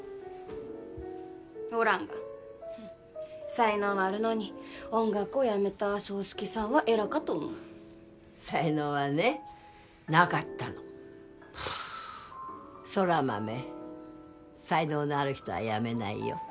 おらんが才能はあるのに音楽をやめた爽介さんは偉かと思う才能はねなかったの空豆才能のある人はやめないよ